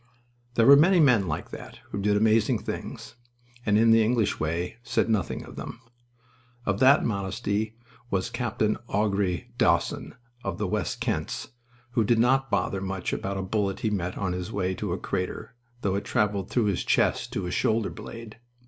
There were many men like that who did amazing things and, in the English way, said nothing of them. Of that modesty was Capt. Augrere Dawson, of the West Kents, who did not bother much about a bullet he met on his way to a crater, though it traveled through his chest to his shoulder blade.